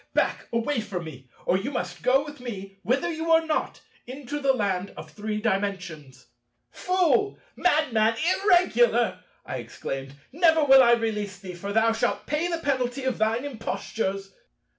back! Away from me, or you must go with me—wither you know not—into the Land of Three Dimensions!" "Fool! Madman! Irregular!" I exclaimed; "never will I release thee; thou shalt pay the penalty of thine impostures."